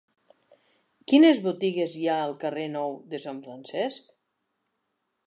Quines botigues hi ha al carrer Nou de Sant Francesc?